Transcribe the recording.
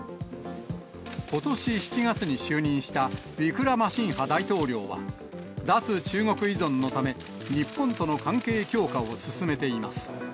ことし７月に就任した、ウィクラマシンハ大統領は、脱中国依存のため、日本との関係強化を進めています。